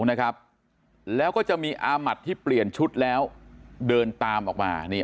นะครับแล้วก็จะมีอาหมัดที่เปลี่ยนชุดแล้วเดินตามออกมานี่